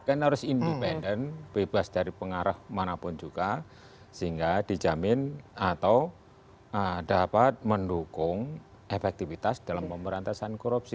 kan harus independen bebas dari pengarah manapun juga sehingga dijamin atau dapat mendukung efektivitas dalam pemberantasan korupsi